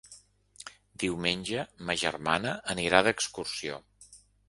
Diumenge ma germana anirà d'excursió.